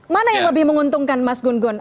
mana yang lebih menguntungkan mas gun gun